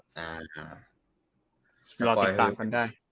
จะรอติดตามกันได้